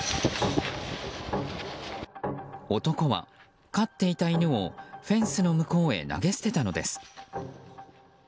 男は、飼っていた犬をフェンスの向こうへ投げ捨てたのです。